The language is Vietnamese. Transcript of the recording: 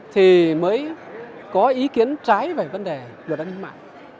thì mới có ý kiến trái về vấn đề luật an ninh mạng